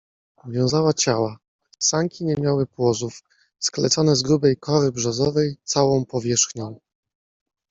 wiązały ciała. Sanki nie miały płozów. Sklecone z grubej kory brzozowej, całą powierzchnią